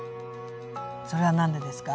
それは何でですか？